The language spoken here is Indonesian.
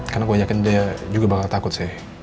karena gue yakin dia juga bakal takut sih